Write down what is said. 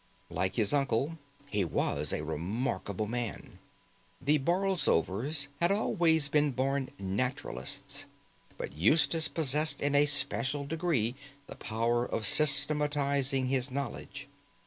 Like his uncle, he was a remarkable man. The Borlsovers had always been born naturalists, but Eustace possessed in a special degree the power of systematizing his knowledge.